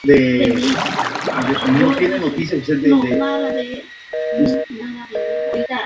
Al día siguiente la anciana cuenta todo lo sucedido a la policía.